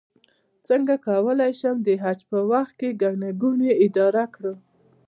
څنګه کولی شم د حج په وخت کې د ګڼې ګوڼې اداره کړم